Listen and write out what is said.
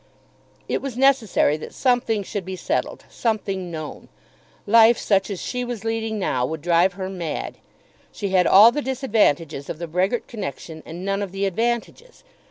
It was necessary that something should be settled, something known. Life such as that she was leading now would drive her mad. She had all the disadvantages of the Brehgert connection and none of the advantages.